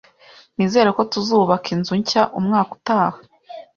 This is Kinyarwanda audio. Nizere ko tuzubaka inzu nshya umwaka utaha.